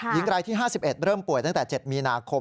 หญิงรายที่๕๑เริ่มป่วยตั้งแต่๗มีนาคม